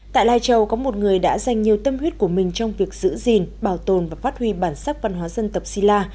tại lai châu có một người đã dành nhiều tâm huyết của mình trong việc giữ gìn bảo tồn và phát huy bản sắc văn hóa dân tộc si la